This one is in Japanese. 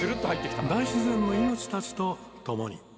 大自然の命たちと共に。